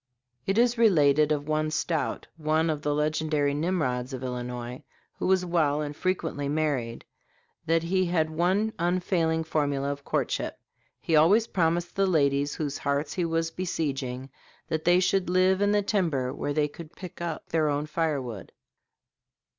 It is related of one Stout, one of the legendary Nimrods of Illinois, who was well and frequently married, that he had one unfailing formula of courtship. He always promised the ladies whose hearts he was besieging that "they should live in the timber where they could pick up their own firewood."